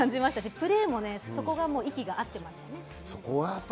プレーもそこが息が合ってましたね。